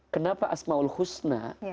kenapa asmaul husna